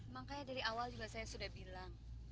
makanya dari awal juga saya sudah bilang